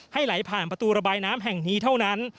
ไหลผ่านประตูระบายน้ำแห่งนี้เท่านั้น